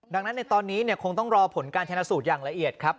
ดังนั้นในตอนนี้คงต้องรอผลการชนะสูตรอย่างละเอียดครับ